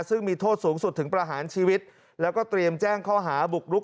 ซึ่งมีโทษสูงสุดถึงประหารชีวิตแล้วก็เตรียมแจ้งข้อหาบุกรุก